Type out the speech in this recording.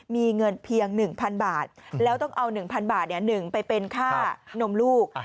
มีเงินเพียง๑๐๐๐บาทแล้วต้องเอา๑๐๐บาท๑ไปเป็นค่านมลูก